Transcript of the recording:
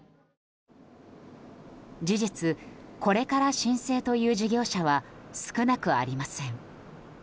事実、これから申請という事業者は少なくありません。